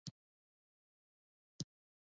ماشوم په خپلې بړستنې کې ځان تاو کړ.